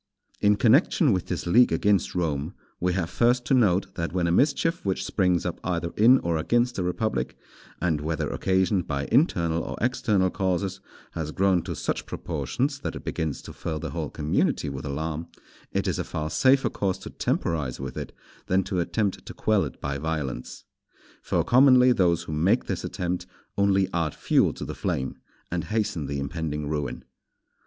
In connection with this league against Rome we have first to note, that when a mischief which springs up either in or against a republic, and whether occasioned by internal or external causes, has grown to such proportions that it begins to fill the whole community with alarm, it is a far safer course to temporize with it than to attempt to quell it by violence. For commonly those who make this attempt only add fuel to the flame, and hasten the impending ruin.